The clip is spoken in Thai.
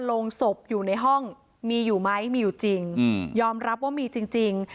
โรงศพอยู่ในห้องมีอยู่ไหมมีอยู่จริงยอมรับว่ามีจริง